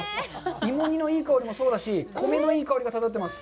芋煮のいい香りもそうだし、米のいい香りが漂っています。